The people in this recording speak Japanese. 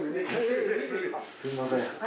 すみません。